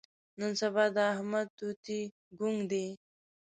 نن سبا د احمد توتي ګونګ دی.